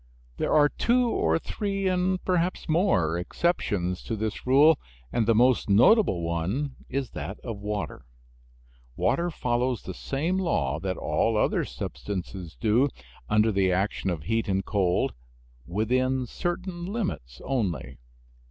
There are two or three, and perhaps more, exceptions to this rule, and the most notable one is that of water. Water follows the same law that all other substances do under the action of heat and cold, within certain limits only.